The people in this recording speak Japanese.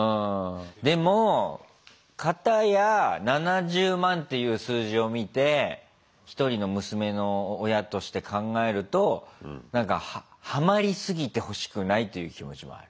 でも片や７０万っていう数字を見て一人の娘の親として考えるとなんかハマりすぎてほしくないという気持ちもある。